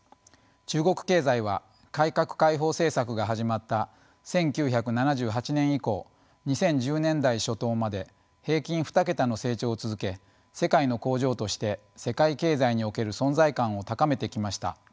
中国経済は改革開放政策が始まった１９７８年以降２０１０年代初頭まで平均２桁の成長を続け世界の工場として世界経済における存在感を高めてきました。